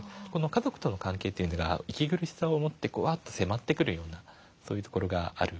家族との関係というのが息苦しさを持ってワーッと迫ってくるようなそういうところがある。